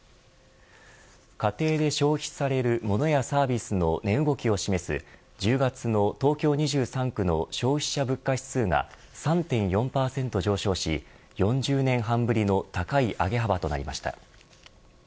家庭で消費されるものやサービスの値動きを示す１０月の東京２３区の消費者物価指数が３．４％上昇し４０年半ぶりの高い上げ幅となりました。